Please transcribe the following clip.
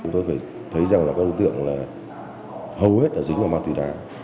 tôi thấy rằng là các đối tượng là hầu hết là dính vào mạng tùy đà